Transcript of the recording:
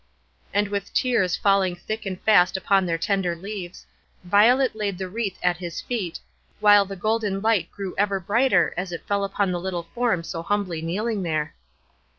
And with tears falling thick and fast upon their tender leaves, Violet laid the wreath at his feet, while the golden light grew ever brighter as it fell upon the little form so humbly kneeling there.